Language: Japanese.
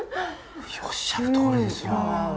おっしゃるとおりですわ。